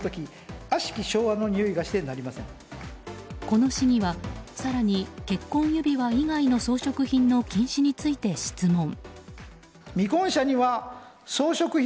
この市議は更に結婚指輪以外の装飾品の禁止について質問。